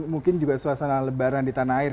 mungkin juga suasana lebaran di tanah air